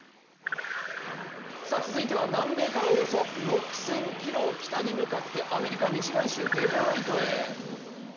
続いては南米からおよそ６０００ｋｍ、北に向かってアメリカミシガン州デトロイトへ。